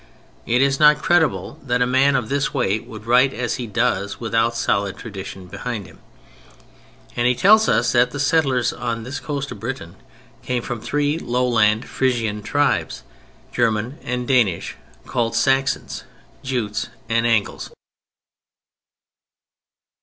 It is not credible that a man of this weight would write as he does without solid tradition behind him; and he tells us that the settlers on this coast of Britain came from three lowland Frisian tribes, German and Danish, called Saxons, Jutes and Angles.